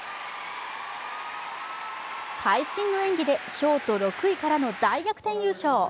会心の演技でショート６位からの大逆転優勝。